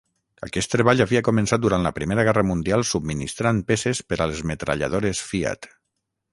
Aquest treball havia començat durant la Primera Guerra Mundial subministrant peces per a les metralladores Fiat.